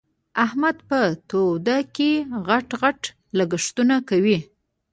احمد په توده کې؛ غټ غټ لګښتونه کوي.